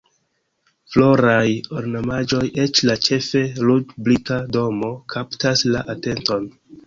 Floraj ornamaĵoj ĉe la ĉefe ruĝ-brika domo kaptas la atenton.